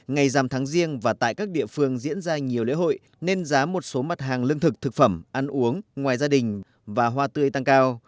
ngày giảm tháng riêng và tại các địa phương diễn ra nhiều lễ hội nên giá một số mặt hàng lương thực thực phẩm ăn uống ngoài gia đình và hoa tươi tăng cao